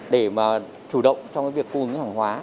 để mà chủ động trong việc cung hướng hàng hóa